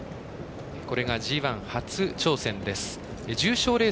これがＧＩ初挑戦です。